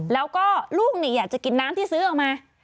แล้วก็ลูกอยากจะกินน้ำที่ซื้อออกมา